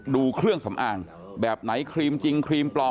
ดูเครื่องสำอางแบบไหนครีมจริงครีมปลอม